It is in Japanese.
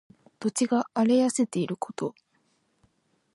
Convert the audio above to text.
土地が荒れ痩せていること。